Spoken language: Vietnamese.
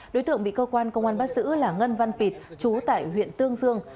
đối tượng bị công an bắt giữ là ngân văn pịt chú tại huyện tương dương